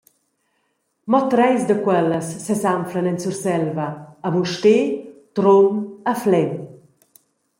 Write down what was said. Mo treis da quellas sesanflan en Surselva, a Mustér, Trun e Flem.